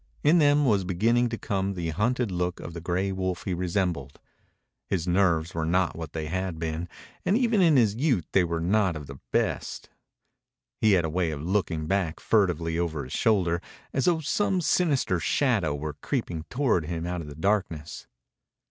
In them was beginning to come the hunted look of the gray wolf he resembled. His nerves were not what they had been, and even in his youth they were not of the best. He had a way of looking back furtively over his shoulder, as though some sinister shadow were creeping toward him out of the darkness.